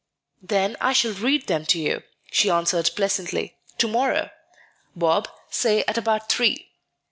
"Then I shall read them to you," she answered pleasantly, "to morrow, Bob, say at about three."